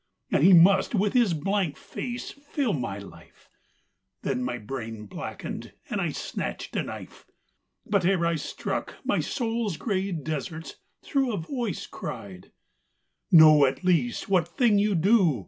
And he must with his blank face fill my life Then my brain blackened; and I snatched a knife. But ere I struck, my soul's grey deserts through A voice cried, 'Know at least what thing you do.'